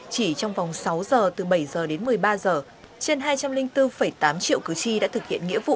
chỉ trong vòng sáu giờ từ bảy giờ đến một mươi ba giờ trên hai trăm linh bốn tám triệu cử tri đã thực hiện nghĩa vụ